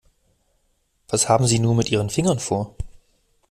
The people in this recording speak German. Was haben Sie nur mit Ihren Fingern vor?